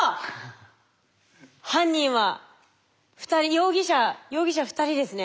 容疑者容疑者２人ですね。